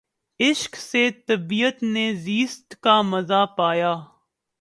عشق سے طبیعت نے زیست کا مزا پایا